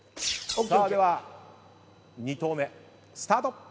では２投目スタート。